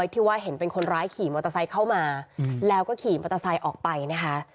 ถ้ว่าเห็นคนร้ายขี่มอเตอร์ไซคาวมาแล้วก็ขี้มอเตอร์ไซค์ออกไปนะคะ